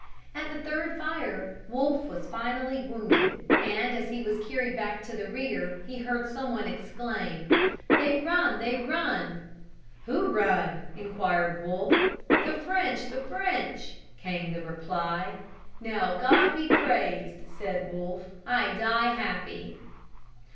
At the third fire Wolfe was fatally wounded, and as he was carried back to the rear he heard some one exclaim, "They run! They run!" "Who run?" inquired Wolfe. "The French! The French!" came the reply. "Now God be praised," said Wolfe, "I die happy."